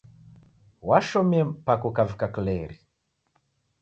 Washomie mpaka ukavikia kileri.